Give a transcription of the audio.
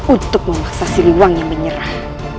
untuk memaksa si luang yang menyerah